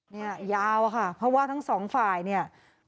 เนี่ยยาวอะค่ะเพราะว่าทั้งสองฝ่ายเนี่ย